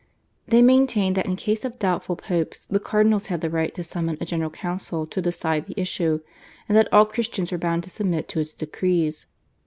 They maintained that in case of doubtful Popes the cardinals had the right to summon a General Council to decide the issue, and that all Christians were bound to submit to its decrees.